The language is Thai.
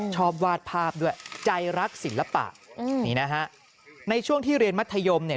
ชอบวาดภาพด้วยใจรักศิลปะนี่นะฮะในช่วงที่เรียนมัธยมเนี่ย